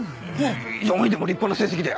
４位でも立派な成績だよ。